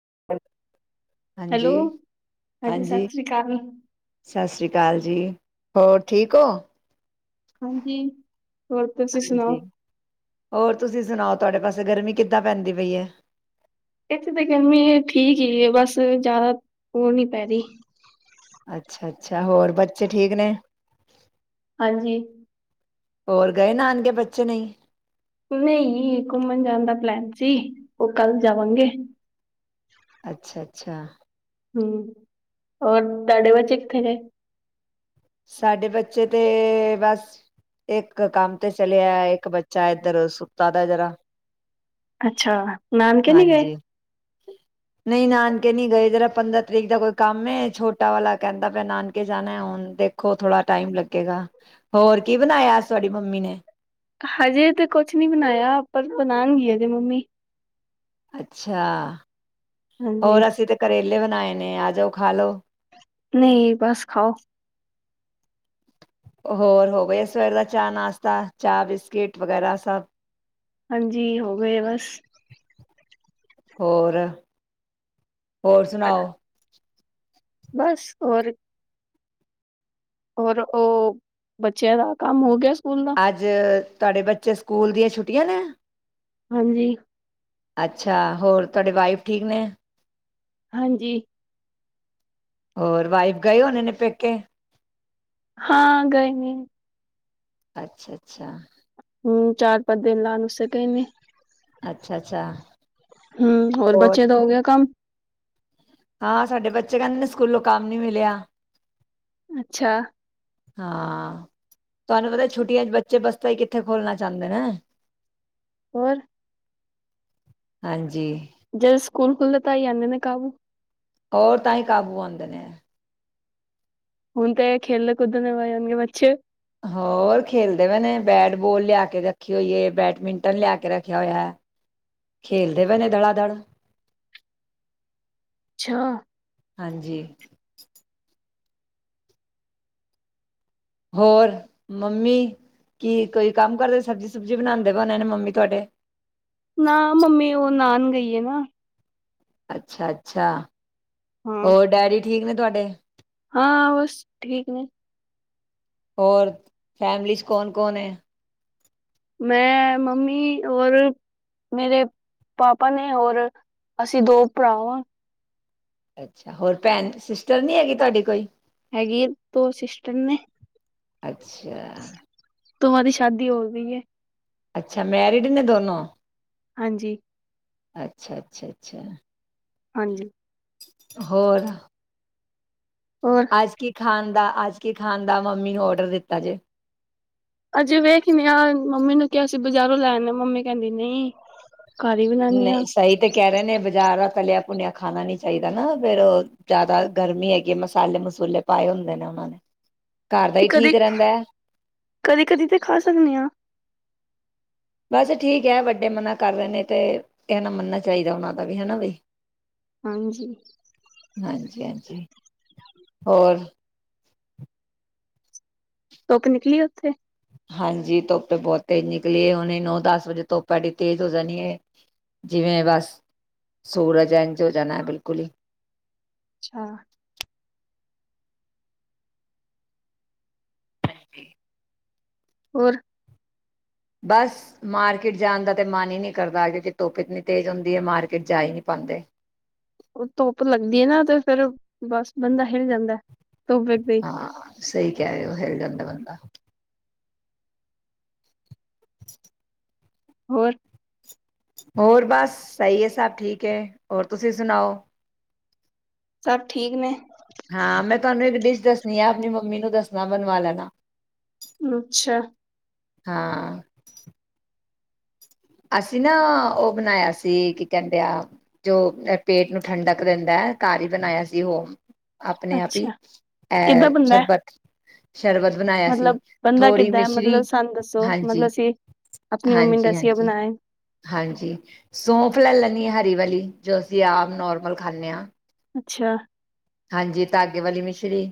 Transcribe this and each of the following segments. [unintelligible] Hello ਹਾਂਜੀ, ਹਾਂਜੀ ਸਤਿ ਸ੍ਰੀ ਅਕਾਲ ਸਤਿ ਸ੍ਰੀ ਅਕਾਲ ਜੀ ਹੋਰ ਠੀਕ ਹੋ ਹਾਂਜੀ ਹੋਰ ਤੁਸੀਂ ਸੁਣਾਓ? ਹਾਂਜੀ ਹੋਰ ਤੁਸੀਂ ਸੁਾਣੋ ਤੁਹਾਡੇ ਪਾਸੇ ਗਰਮੀ ਕਿੱਦਾਂ ਪੈਂਦੀ ਪਈ ਹੈ ਇੱਥੇ ਤਾਂ ਗਰਮੀ ਠੀਕ ਹੀ ਬਸ ਜ਼ਿਆਦਾ ਹੋਰ ਨੀ ਪੈ ਰਹੀ ਅੱਛਾ-ਅੱਛਾ ਹੋਰ ਬੱਚੇ ਠੀਕ ਨੇਮ ਹਾਂਜੀ। ਹੋਰ ਗਏ ਨਾਨਕੇ ਬੱਚੇ ਨਈ ਨਈ-ਨਈ ਘੁੰਮਣ ਜਾਣ ਦਾ ਪਲੈਨ ਸੀ ਉਹ ਕੱਲ੍ਹ ਜਾਵਾਂਗੇ। ਅੱਛਾ, ਅੱਛਾ। ਹੱ ਹੋਰ ਤੁਹਾਡੇ ਬੱਚੇ ਕਿੱਥੇ ਨ ਸਾਡੇ ਬੱ ਚੇ ਤੇ ਬਸ ਇੱਕ ਕੰਮ ਤੇ ਚਲਿਆ ਇੱਕ ਬੱਚਾ ਏਧਰ ਸੁੱਤਾ ਤਾ ਜਰਾ ਅੱਛਾ। ਨਾਨਕੇ ਨੀ ਗਏ? ਹਾਂਜੀ ਨਹੀਂ ਨਾਨਕੇ ਨੀ ਗਏ ਜਰਾ ਪੰਦਰਾਂ ਤਰੀਕ ਦਾ ਕੋਈ ਕੰਮ ਏ ਛੋਟਾ ਵਾਲਾ ਕਹਿੰਦਾ ਪਿਆ ਨਾਨਕੇ ਜਾਣਾ ਹੁਣ ਦੇਖੋ ਥੋੜਾ ਟਾਈਮ ਲੱਗੇਗਾ। ਹੋਰ ਕੀ ਬਣਾਇਆ ਅ ਤੁਹਾਡੀ ਮੰਮੀ ਨੇ ਹਜੇ ਤੇ ਕੁਛ ਨੀ ਬਣਾਇਆ ਪਰ ਬਣਾਉਣਗੀ ਹਜੇ ਮੰਮੀ ਅੱਛਾ। ਹਾਂਜੀ। ਹੋਰ ਅਸੀਂ ਤੇ ਕਰੇਲੇ ਬਣਾਏ ਨੇ ਅੱ ਆਜੋ ਖਾ ਲਓ। ਨਹੀਂ ਬਸ ਖਾਓ। ਹੋਰ ਹੋ ਗਈ ਸਵੇਰ ਦਾ ਚਾਹ ਨਾਸ਼ਤਾ ਚਾਹ ਬਿਸਕਿਟ ਵਗੈਰਾ ਸਭ ਹਾਂਜੀ ਹੋ ਗਏ ਬਸ। ਹੋਰ ਹੋਰ ਸੁਣਾਓ। ਬਸ ਹੋਰ ਹੋਰ ਉਹ ਬੱਚਿਆਂ ਦਾ ਕੰਮ ਹੋ ਗਿਆ। ਸਕੂਲ ਦਾ? ਅੱਜ ਤੁਹਾਡੇ ਬੱਚੇ ਸਕੂਲ ਦੀਆਂ ਛੁੱਟੀਆਂ ਨੇ ਹਾਂਜੀ। ਅੱਛਾ ਹੋਰ ਤੁਹਾਡੇ ਵਾਈਫ ਠੀਕ ਨੇ ਹਾਂਜੀ। ਹੋਰ ਵਾਈਫ ਗਏ ਹੋਣੇ ਨੇ ਪੇਕੇ ਹਾਂ ਗਏ ਨੇ ਅੱਛਾ-ਅੱਛਾ ਹੂੰ ਚਾਰ ਪੰਜ ਦਿਨ ਲਾਨ ਵਾਸਤੇ ਗਏ ਨੇ ਅੱਛਾ-ਅੱਛਾ ਹੂੰ ਹੋਰ ਬੱਚੇ ਦਾ ਹੋ ਗਿਆ ਕੰਮ? ਹਾਂ ਸਾਡੇ ਬੱਚੇ ਕਹਿੰਦੇ ਨੇ ਸਕੂਲੋਂ ਕੰਮ ਨੀ ਮਿਲਿਆ ਅੱਛਾ। ਹਾਂ। ਤੁਹਾਨੂੰ ਪਤਾ ਛੁੱਟੀਆਂ ਚ ਬੱਚੇ ਬਸ ਭਾਈ ਕਿੱਥੇ ਖੋਲਣਾ ਚਾਹੁੰਦੇ ਨੇ ਹੋਰ ਹਾਂਜ ਜਦੋ ਸਕੂਲ ਖੁੱਲਦਾ ਤਾਂ ਆਨੇ ਨੇ ਕਾ ਓਰ ਤਾਂਹੀ ਕਾਬੂ ਆਉਂਦੇ ਨੇ ਹੁਨ ਤਾ ਇਹ ਖੇਲ ਕੁੱਦਣ‌ ਵਿੱਚ ਹੋਰ ਖੇਲਦੇ ਪਏ ਨੇ ਬੈਟਬੋਲ ਲਿਆ ਕੇ ਰੱਖੀ ਹੋਈ ਏ, ਬੈਟਮਿੰਟਨ ਲਿਆ ਕੇ ਰੱਖਿਆ ਹੋਇਆ ਖੇਲਦੇ ਪਏ ਨੇ ਦਬਾ ਦਬ ਛਾੱ ਹਾਂਜੀ ਹੋਰ ਮੰਮੀ ਕੀ ਕੋਈ ਕੰਮ ਕਰਦੇ ਸਬਜ਼ੀ ਸੁਬਜੀ ਬਣਾਉਦੇ ਨੇ ਮੰਮੀ ਤੁਹਾਡੇ ਨਾ ਮੰਮੀ ਓ ਨਾਹਨ ਗਈ ਏ ਨਾ ਅੱਛਾ ਅੱਛਾ ਹਾਂ। ਹੋਰ ਡੈਡੀ ਠੀਕ ਨੇ ਤੁਆਡੇ ਹਾਂ ਬਸ ਠੀਕ ਨੇ ਹੋਰ ਫੈਮਲੀ ਚ ਕੌਣ ਕੌਣ ਏ ਮੈਂ ਮੰਮੀ ਓਰ ਮੇਰੇ ਪਾਪਾ ਨੇ ਔਰ ਅਸੀਂ ਦੋ ਭਰਾ ਹਾਂ। ਅੱਛਾ ਹੋਰ ਭੈਣ ਸਿਸਟਰ ਨੀ ਹੈਗੀ ਤੁਹਾਡੀ ਕੋਈ ਹੈਗੀ ਏ ਦੋ ਸਿਸਟਰ ਨੇ ਅੱਛਾ ਦੈਹਾਂ ਦੀ ਸ਼ਾਦੀ ਹੋ ਗੀ ਏ। ਅੱਛਾ ਮੈਰਿਡ ਨੇ ਦੋਨੋ ਹਾਂਜੀ। ਅੱਛਾ-ਅੱਛਾ-ਅੱਛਾ। ਹਾਂਜੀ। ਹੋਰ ਹੋਰ ਅੱਜ ਕੀ- ਖਾਣ ਦਾ ਅੱਜ ਕੀ ਖਾਣ ਦਾ ਮੰਮੀ ਨੂ ਔਡਰ ਦਿੱਤਾ ਜੇ- ਅਜੇ ਵੇਖਨੇ ਆ ਮੰਮੀ ਨੂੰ ਕਿਹਾ ਸੀਂ ਬਜ਼ਾਰੋ ਲੈਨੇ ਮੰਮੀ ਕਹਿੰਦੀ ਨਹੀਂ- ਘਰ ਹੀ ਬਣਾਨੇ ਆ ਨਈ ਸਹੀ ਤੇ ਕਹਿ ਰਹੇ ਨੇ ਬਿ- ਜਾਦਾ ਤਲਿਆ ਭੁਨਿਆ ਖਾਣਾ ਨੀ ਚਾਹੀਦਾ ਨਾ ਫਿਰ ਜਾਦਾ ਜ਼ਿਆਦਾ ਗਰਮੀ ਹੈਗੀ ਮਸਾਲੇ ਮਸੂਲੇ ਪਾਏ ਹੁੰਦੇ ਨੇ ਉਹਨਾ ਨੇ ਘਰ ਦਾ ਤੇ ਹੀ ਠੀਕ ਰਹਿੰਦਾ ਹੈ ਕਦੇ-ਕਦੀ-ਕਦੀ ਤੇ ਖਾ ਸਕਣੀ ਆ ਬਸ ਠੀਕ ਐ ਵੱਡੇ ਮਨਾ ਕਰ ਰਹੇ ਨੇ ਤੇ ਕੈਣਾ ਮੰਨਣਾ ਚਾਹੀਦਾ ਉਹਨਾ ਦਾ ਵੀ ਹਨਾ ਬਈ ਹਾਂਜੀ ਹਾਂਜੀ-ਹਾਂਜੀ ਹੋਰ- ਧੋਪ ਨਿਕਲੀ ਉੱਥੇ ਹਾਂਜੀ ਧੁੱਪ ਬਹੁਤ ਤੇਜ਼ ਨਿਕਲੀ ਹੈ ਹੁਣੈ ਨੌ ਦਸ ਵਜੇ ਧੁੱਪ ਐਡੀ ਤੇਜ਼ ਹੋ ਜਾਣੀ ਹੈ, ਜਿਵੇਂ ਬਸ ਸੂਰਜ ਇੰਜ ਹੋ ਜਾਣਾ ਬਿਲਕੁਲ ਹੀ- ਅੱਛਾ- ਹਾਂਜੀ। ਹੋਰ- ਬਸ ਮਾਰਕੀਟ ਜਾਣ ਦਾ ਤੇ ਮਨ ਹੀ ਨੀ ਕਰਦਾ। ਤੁੱਪ ਇਤਨੀ ਤੇਜ਼ ਹੁੰਦੀ ਹੈ ਮਾਰਕਿਟ ਜਾ ਹੀ ਨੀ ਪਾਂਦੇ। ਧੁੱਪ ਲਗਦੀ ਏ ਨਾ ਤੇ ਫੇਰ ਬਸ ਬੰਦਾ ਹਿਲ ਜਾਂਦਾ। ਧੁੱਪ ਵੇਖਦੇ ਹੀ ਹਾਂ ਸਹੀ ਕਹਿ ਰੇ ਹੋ ਹਿਲ ਜਾਂਦਾ ਬੰਦਾ। [inaudible] ਹੋਰ- ਹੋਰ ਬਸ ਸਹੀ ਹੈ ਸਭ ਠੀਕ ਹੈ ਹੋਰ ਤੁਸੀਂ ਸੁਣਾਓ। ਸਭ ਠੀਕ ਨੇ- ਹਾਂ ਮੈਂ ਤੁਹਾਨੂੰ ਇੱਕ ਡਿਸ਼ ਦੱਸਣੀ ਆ ਆਪਣੀ ਮੰਮੀ ਨੂੰ ਦੱਸਣ ਬਣਵਾ ਲਨਾ ਅੱਛਾ। ਹਾਂ। ਅਸੀਂ ਨਾ ਉਹ ਬਣਾਇਆ ਸੀ ਕੀ ਕਹਿੰਦੇ ਆ ਜੋ ਪੇਟ ਨੂੰ ਠੰਡਕ ਦਿੰਦਾ ਘਾਰੀ ਬਣਾਇਆ ਸੀ ਉਹ ਆਪਣੇ ਆਪ ਹੀ ਅੱਛਾ ਕਿੱਦਾਂ ਇਹ ਬੰਦਾ ਸ਼ਰਬਤ- ਸ਼ਰਬਤ ਬਣਾਇਆ ਸੀ ਮਤਲਬ ਬੰਦਾ ਥੋੜ੍ਹੀ ਕਿੱਦਾਂ ਮਿਸ਼ਰੀ ਮਤਲਬ ਸਾਨੂੰ ਦੱਸੋ ਮਤਲਬ ਹਾਂਜੀ ਅਸੀਂ ਆਪਣੀ ਮੰਮੀ ਨੇ ਹਾਂਜੀ ਦਸੀ ਹਾਂਜੀ ਬਣਾਇਆ ਹਾਂਜੀ ਸੌਂਫ ਲੈ ਲੈਂਣੀ ਏ ਵਾਲੀ ਜੋ ਅਸੀਂ ਆਪ ਨੋਰਮਲ ਖਾਂਣੇ ਹਾਂ। ਅੱਛਾ। ਹਾਂਜੀ ਧਾਗੇ ਵਾਲੀ ਮਿਸ਼ਰੀ।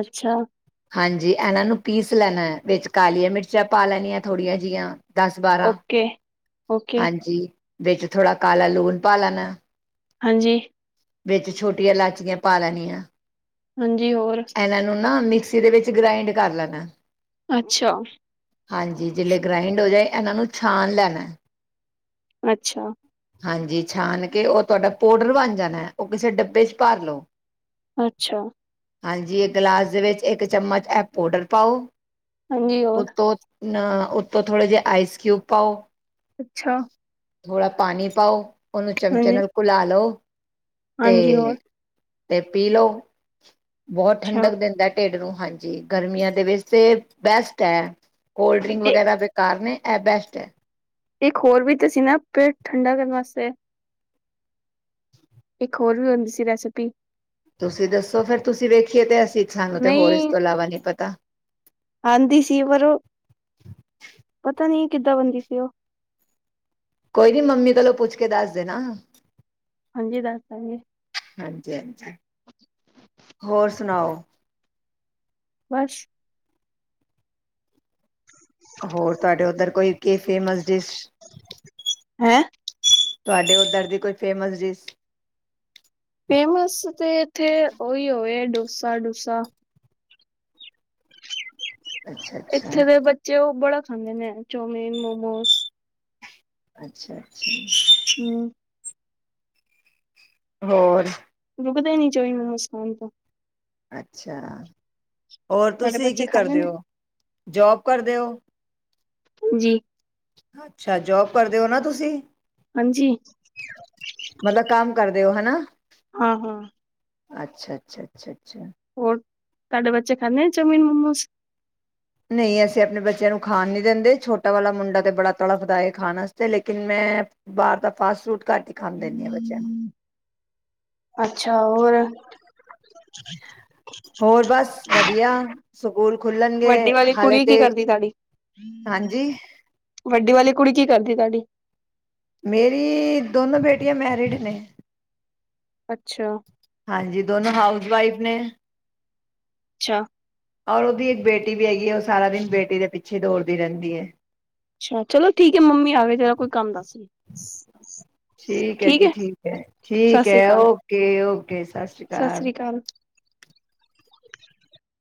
ਅੱਛਾ ਹਾਂਜੀ ਇਹਨਾਂ ਨੂੰ ਪੀਸ- ਪਿਸ ਲੈਣਾ ਵਿੱਚ ਕਾਲੀਆਂ ਮਿਰਚਾਂ ਪਾ ਲੈਣੀਆਂ ਥੋੜੀਆਂ ਜਹੀਆ। ਦਸ ਬਾਰਾਂ ਓਕੇ ਓਕੇ ਹਾਂਜੀ ਵਿੱਚ ਥੋੜ੍ਹਾ ਕਾਲਾ ਲੂਣ ਪਾ ਲੈਣਾ। ਹਾਂਜੀ। ਵਿੱਚ ਛੋਟੀਆਂ ਇਲਾਚੀਆਂ ਪਾ ਲੈਣੀਆਂ। ਹਾਂਜੀ, ਹੋਰ। ਇਹਨਾਂ ਨੂੰ ਨਾ ਮਿਕਸੀ ਦੇ ਵਿੱਚ ਗ੍ਰਾਇੰਡ ਕਰ ਲੈਨੈ। ਅੱਛਾ। ਹਾਂਜੀ ਜਿ, ਗ੍ਰਾਇੰਡ ਹੋ ਜਾਏ, ਇਹਨਾਂ ਨੂੰ ਛਾਣ ਲੈਣਾ। ਅੱਛਾ। ਹਾਂਜੀ, ਛਾਨ ਕੇ ਉਹ ਤੁਹਾਡਾ ਪਾਊਡਰ ਬਣ ਜਾਣਾ, ਉਹ ਕਿਸੇ ਡੱਬੇ ਚ ਭਾਰ ਲਉ। ਅੱਛਾ ਹਾਂਜੀ, ਇੱਕ ਗਲਾਸ ਦੇ ਵਿੱਚ, ਇੱਕ ਚਮਚ ਇਹ ਪਾਊਡਰ ਪਾਓ। ਹਾਂਜੀ, ਹੋਰ। ਨਾ ਉੱਤੋਂ ਥੋੜੇ ਜਿਹੇ ਆਈਸਕਊਬ ਪਾਓ। ਅੱਛਾ। ਥੋੜਾ। ਪਾਣੀ ਪਾਓ। ਉਹਨੂੰ ਚਮਚੇ ਹਾਂਜੀ, ਨਾਲ ਘੁਲਾ ਲੋ। ਹਾਂਜੀ, ਹੋਰ। ਤੇ ਪੀ ਲਓ। ਬਹੁਤ ਅੱਛਾ ਠੰਡਕ ਦਿੰਦਾ, ਢਿੱਡ ਨੂੰ। ਹਾਂਜੀ, ਗਰਮੀਆਂ ਦੇ ਵਿੱਚ ਤੇ ਬੈਸਟ ਹੈ। ਕੋਲਡ -ਡਰਿੰਕ ਇ ਵਗੈਰਾ ਬੇਕਾਰ ਨੇ। ਐ ਬੈਸਟ ਐ। ਇੱਕ ਹੋਰ ਵੀ ਤੇ ਸੀ ਨਾ, ਪੇਟ ਠੰਡਾ ਕਰਨ ਵਾਸਤੇ। ਇੱਕ ਹੋਰ ਵੀ ਹੁੰਦੀ ਸੀ ਰੈਸਿਪੀ। ਤੁਸੀਂ ਦੱਸੋ, ਫੇਰ ਤੁਸੀਂ ਵੇਖੀਏ ਤੇ ਸਾਨੂੰ ਤੇ ਹੋਰ ਇਸ ਨਹੀਂ ਤੋਂ ਇਲਾਵਾ ਨੀ ਪਤਾ। ਆਂਦੀ ਸੀ ਪਰ, ਪਤਾ ਨੀ ਕਿੱਦਾਂ ਬਨਦੀ ਸੀ ਉਹ। ਕੋਈ ਨੀ ਮੰਮੀ ਕੋਲੋਂ ਪੁੱਛ ਕੇ ਦੱਸ ਦੇਣਾ। ਹਾਂਜੀ ਦੱਸ ਦਾਂਗੇ ਹਾਂਜੀ -ਹਾਂਜੀ ਹੋਰ। ਸੁਣਾਓ। ਬੱਸ। ਕੇ ਫੇਮਸ [inaudible] ਡਿਸ਼ ਹੈਂ [inaudible] ਤੁਹਾਡੇ ਉਧਰ ਦੀ ਕੋਈ ਫੇਮਸ ਡਿਸ਼? ਫੇਮਸ ਤੇ ਇਥੇ, ਓਹੀ ਹੋਵੇ ਡੋਸਾ- ਡੂਸਾ। ਅੱਛਾ ਅੱਛਾ ਇੱਥੇ ਦੇ ਬੱਚੇ ਉਹ ਬੜਾ ਖਾਂਦੇ ਨੇ ਚੋਮਿਨ, ਮੋਮੋਸ। ਅੱਛਾ ਅੱਛਾ। ਹਮ। ਹੋਰ ਰੁੱਕਦੇ ਹੀ ਨਹੀਂ ਚੋਮਿਨ ਮੋਮੋਸ ਖਾਨ ਤੋਂ ਅੱਛਾ ਹੋਰ ਤੁਹਾਡੇ ਤੁਸੀਂ ਕੀ ਬੱਚੇ ਖਾਂਦੇ ਕਰਦੇ ਹੋ ਨੇ ਜੋਬ ਕਰਦੇ ੳ ਜੀ ਅੱਛਾ ਜੋਬ ਕਰਦੇ ਹੋ ਨਾ ਤੁਸੀਂ ਹਾਂਜੀ ਮਤਲਬ ਕੰਮ ਕਰ ਦੇ ਓ ਹਨਾ। ਹਾਂ ਹਾਂ ਅੱਛਾ ਅੱਛਾ ਅੱਛਾ ਅੱਛਾ ਹੋਰ ਤੁਹਾਡੇ ਬੱਚੇ ਖਾਂਦੇ ਨੇ ਚੋਮਿਨ ਮੋਮੋਸ ਨਹੀਂ ਅਸੀਂ ਆਪਣੇ ਬੱਚਿਆਂ ਨੂੰ ਖਾਣ ਨਹੀਂ ਦਿੰਦੇ ਛੋਟਾ ਵਾਲਾ ਮੁੰਡਾ ਤੇ ਬੜਾ ਤੜਫਦਾ ਹੈ ਖਾਣ ਵਾਸਤੇ ਲੇਕਿਨ ਮੈਂ ਬਾਹਰ ਦਾ ਫਾਸਟ ਫੂਡ ਘੱਟ ਈ ਖਾਣ ਦੇਨੀ ਹਾਂ ਬੱਚਿਆਂ ਨੂੰ ਅੱਛਾ ਹੋਰ ਹੋਰ ਬਸ ਵਧੀਆ ਸਕੂਲ ਖੁਲਣਗੇ ਵੱਡੀ ਵਾਲੀ ਹਾਲੇ ਕੁੜੀ ਕੀ ਤੇ ਕਰਦੀ ਤੁਹਾਡੀ? ਹਾਂਜੀ ਵੱਡੀ ਵਾਲੀ ਕੁੜੀ ਕੀ ਕਰਦੀ ਤੁਹਾਡੀ? ਮੇਰੀ ਦੋਨੋ ਬੇਟੇ ਟੀਆਂ ਮੈਰਿਡ ਨੇ ਅੱਛਾ ਹਾਂਜੀ ਦੋਨੋ ਹਾਊਸ ਵਾਈਫ ਨੇ ਅੱਛਾ ਔਰ ਉਹਦੀ ਇੱਕ ਬੇਟੀ ਵੀ ਹੈਗੀ ਹੈ ਉਹ ਸਾਰਾ ਦਿਨ ਬੇਟੀ ਦੇ ਪਿੱਛੇ ਦੌੜਦੀ ਰਹਿੰਦੀ ਹੈ। ਅੱਛਾ ਚਲੋ ਠੀਕ ਹੈ ਮੰਮੀ ਆ ਗਏ ਜਰਾ ਕੋਈ ਕੰਮ ਦੱਸ ਰਹੀ। ਠੀਕ ਹੈ ਜੀ ਠੀਕ ਹੈ ਸਤਿ ਠੀਕ ਸ੍ਰੀ ਹੈ ਅਕਾਲ ਓਕੇ ਓਕੇ ਸਤਿ ਸ੍ਰੀ ਅਕਾਲ